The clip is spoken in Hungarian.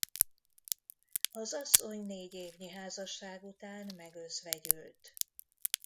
Az asszony négy évnyi házasság után megözvegyült.